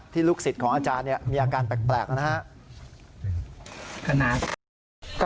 ลูกศิษย์ของอาจารย์มีอาการแปลกนะครับ